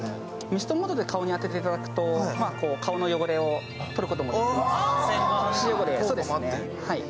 ミストモードで顔に当てていただくと顔の汚れをとることもできます。